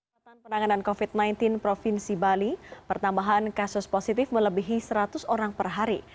pertambahan kasus positif di provinsi bali melebihi seratus orang per hari